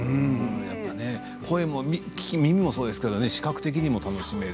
声も耳もそうですけど視覚的にも楽しめる。